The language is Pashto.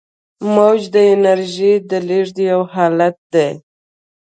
موج د انرژۍ د لیږد یو حالت دی.